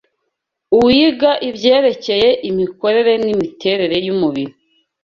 Uwiga ibyerekeye imikorere n’imiterere y’umubiri